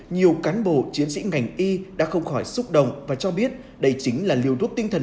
nhiều cán bộ chiến sĩ ngành y đã không khỏi xúc động và cho biết đây chính là liều thuốc tinh thần